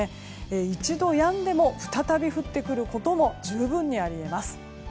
一度やんでも再び降ってくることも十分あり得ます。